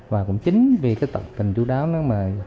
và cũng chính vì cái tận tình chú đáo nó mà